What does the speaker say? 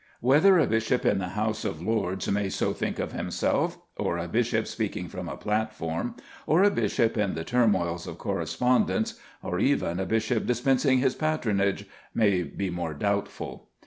Whether a bishop in the House of Lords may so think of himself, or a bishop speaking from a platform, or a bishop in the turmoils of correspondence, or even a bishop dispensing his patronage, may be more doubtful.